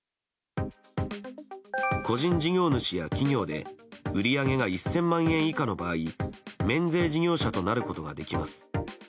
個人事業者や企業で、売り上げが１０００万円以下の場合免税事業者となることができます。